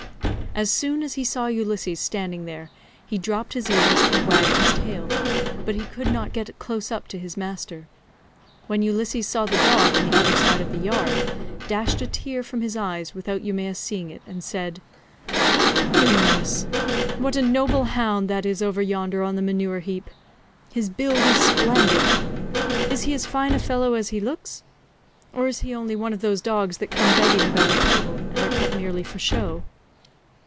As soon as he saw Ulysses standing there, he dropped his ears and wagged his tail, but he could not get close up to his master. When Ulysses saw the dog on the other side of the yard, he dashed a tear from his eyes without Eumaeus seeing it, and said: "Eumaeus, what a noble hound that is over yonder on the manure heap: his build is splendid; is he as fine a fellow as he looks, or is he only one of those dogs that come begging about a table, and are kept merely for show?"